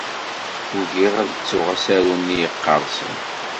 Ugiɣ ad ttuɣ asaru-nni yeqqersen.